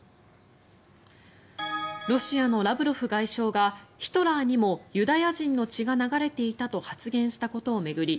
ロシアのラブロフ外相がヒトラーにもユダヤ人の血が流れていたと発言したことを巡り